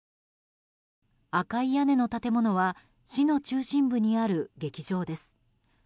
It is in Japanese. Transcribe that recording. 赤い屋根の建物は市の中心部にある劇場です。